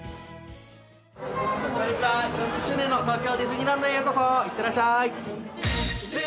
こんにちは、４０周年の東京ディズニーランドへようこそ、いってらっしゃい。